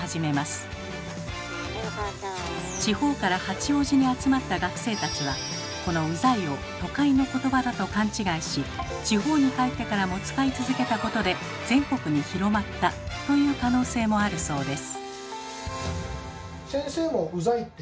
地方から八王子に集まった学生たちはこの「うざい」を都会の言葉だと勘違いし地方に帰ってからも使い続けたことで全国に広まったという可能性もあるそうです。